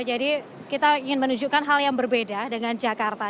jadi kita ingin menunjukkan hal yang berbeda dengan jakarta